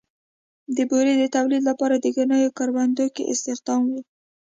د بورې د تولید لپاره د ګنیو کروندو کې استخدام و.